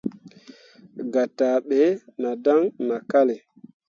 Gataaɓe nah dan nah kalle.